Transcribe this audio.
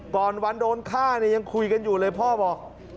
ก่อนวันโดนฆ่าเนี่ยยังคุยกันอยู่เลยพ่อบอก